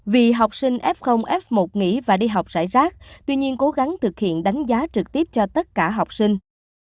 vì học sinh f f một nghỉ và đi học rải rác tuy nhiên cố gắng thực hiện đánh giá trực tiếp cho tất cả học sinh